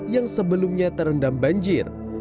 yang sebelumnya terendam banjir